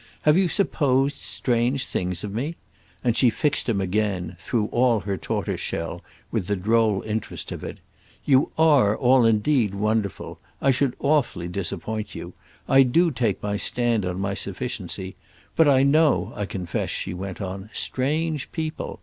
Have you supposed strange things of me?"—and she fixed him again, through all her tortoise shell, with the droll interest of it. "You are all indeed wonderful. I should awfully disappoint you. I do take my stand on my sufficiency. But I know, I confess," she went on, "strange people.